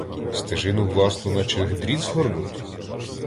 Стежину власну, наче дріт, згорнуть?